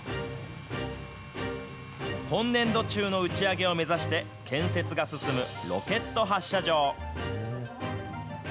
今年度中の打ち上げを目指して、建設が進むロケット発射場。